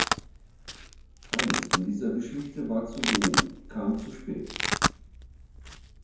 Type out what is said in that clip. Alles in dieser Geschichte war zu wenig, kam zu spät.